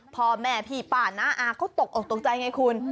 พ่อแม่พี่ป้าน้าอาเขาตกออกตกใจไงคุณ